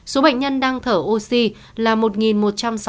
số bệnh nhân đang thở oxy là một ca